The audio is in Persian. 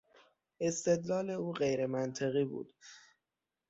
استدلال او غیرمنطقی بود.